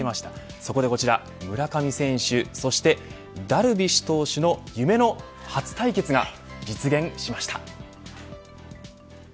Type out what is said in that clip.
そこでこちら村上選手、そしてダルビッシュ投手の夢の初対決が実現しました。